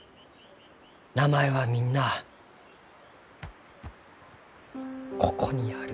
名前はみんなあここにある。